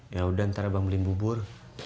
yaudah ntar abang beli bubur